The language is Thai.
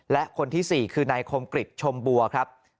และคนที่๔คือนายคมกริจชมบัวครับ